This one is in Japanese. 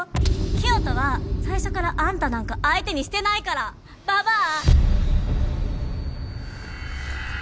清斗は最初からあんたなんか相手にしてないからババア！